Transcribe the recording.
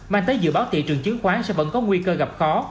mang tới dự báo thị trường chứng khoán sẽ vẫn có nguy cơ gặp khó